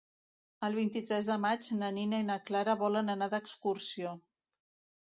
El vint-i-tres de maig na Nina i na Clara volen anar d'excursió.